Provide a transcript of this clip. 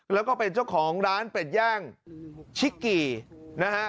แล้วก็เป็นเจ้าของร้านเป็ดย่างชิกกี่นะฮะ